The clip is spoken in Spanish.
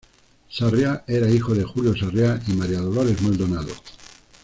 Sarria era hijo de Julio Sarria y María Dolores Maldonado.